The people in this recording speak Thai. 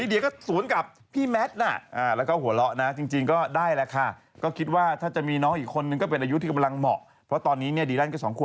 เอ้ยสาวน้อยจมูกโด่งมากอีแววสวยตั้งแต่ภาพอัลเตอร์สาว